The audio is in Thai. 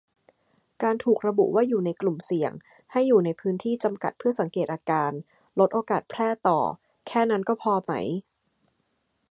การถูกระบุว่าอยู่ในกลุ่มเสี่ยง ให้อยู่ในพื้นที่จำกัดเพื่อสังเกตอาการ-ลดโอกาสแพร่ต่อ แค่นั้นก็พอไหม